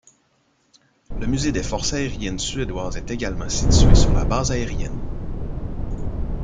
Le musée des forces aériennes suédoises est également situé sur la base aérienne.